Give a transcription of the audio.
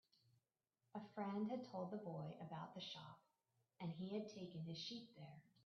A friend had told the boy about the shop, and he had taken his sheep there.